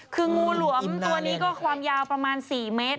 คืองูหลวมตัวนี้ก็ความยาวประมาณ๔เมตร